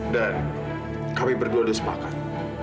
dan kami berdua sudah sepakat